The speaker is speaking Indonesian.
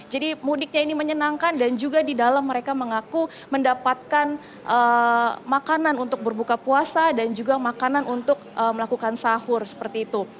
jadi mudiknya ini menyenangkan dan juga di dalam mereka mengaku mendapatkan makanan untuk berbuka puasa dan juga makanan untuk melakukan sahur seperti itu